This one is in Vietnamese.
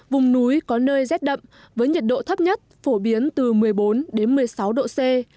vùng núi có nơi rét đậm với nhiệt độ thấp nhất phổ biến từ một mươi bốn một mươi sáu độ c